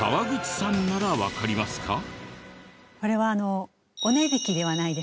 これはあのお値引きではないですか？